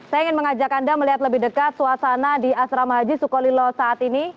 saya ingin mengajak anda melihat lebih dekat suasana di asrama haji sukolilo saat ini